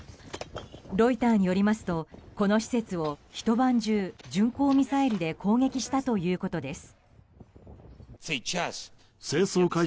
ロイターによりますとこの施設をひと晩中巡航ミサイルで攻撃したということです。